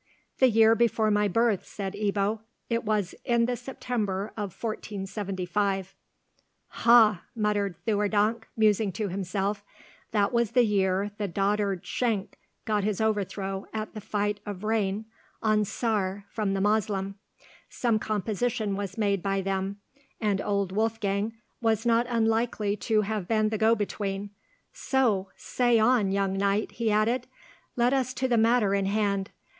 "The year before my birth," said Ebbo. "It was in the September of 1475." "Ha!" muttered Theurdank, musing to himself; "that was the year the dotard Schenk got his overthrow at the fight of Rain on Sare from the Moslem. Some composition was made by them, and old Wolfgang was not unlikely to have been the go between. So! Say on, young knight," he added, "let us to the matter in hand.